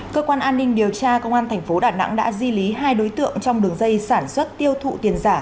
cơ quan an ninh điều tra công an thành phố đà nẵng đã di lý hai đối tượng trong đường dây sản xuất tiêu thụ tiền giả